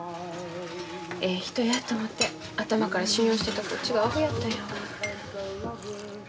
ええ人やと思て頭から信用してたこっちがアホやったんやわ。